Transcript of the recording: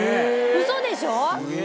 ウソでしょ！